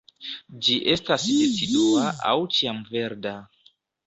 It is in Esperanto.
Ĝi estas decidua aŭ ĉiamverda.